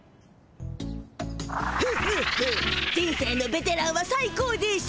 フフフ人生のベテランは最高でしょ。